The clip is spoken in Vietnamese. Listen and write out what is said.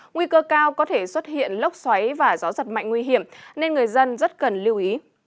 nguy cơ cao có thể xuất hiện lốc xoáy và gió giật mạnh nguy hiểm nên người dân rất cần lưu ý